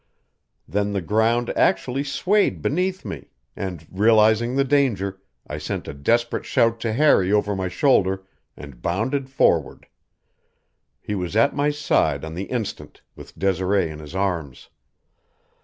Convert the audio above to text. Then the ground actually swayed beneath me; and, realizing the danger, I sent a desperate shout to Harry over my shoulder and bounded forward. He was at my side on the instant, with Desiree in his arms.